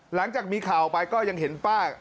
หลังจากมีข่าวไปก็ยังเห็นป้า